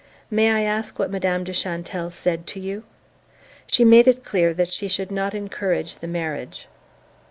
"May I ask what Madame de Chantelle said to you?" "She made it clear that she should not encourage the marriage."